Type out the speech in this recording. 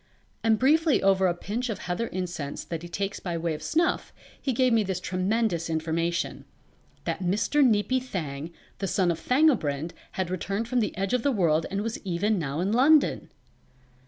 And briefly over a pinch of heather incense that he takes by way of snuff he gave me this tremendous information: that Mr. Neepy Thang the son of Thangobrind had returned from the Edge of the World and was even now in London.